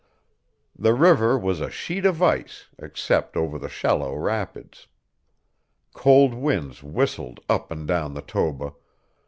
The river was a sheet of ice except over the shallow rapids. Cold winds whistled up and down the Toba.